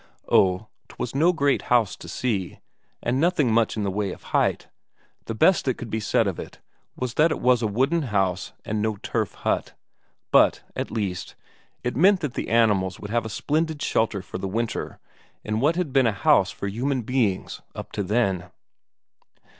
Oh, 'twas no great house to see, and nothing much in the way of height; the best that could be said of it was that it was a wooden house and no turf hut. But, at least, it meant that the animals would have a splendid shelter for the winter in what had been a house for human beings up to then.